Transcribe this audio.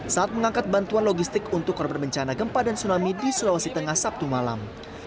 saat mengangkat bantuan logistik untuk korban bencana gempa dan tsunami di sulawesi tengah sabtu malam